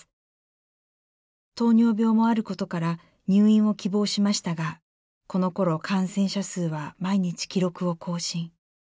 糖尿病もあることから入院を希望しましたがこのころ感染者数は毎日記録を更新。